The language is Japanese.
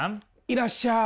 いらっしゃい。